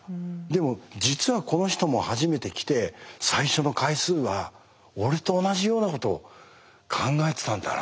でも実はこの人も初めて来て最初の回数は俺と同じようなことを考えてたんだな。